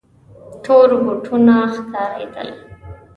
تور بوټونه ښکارېدل.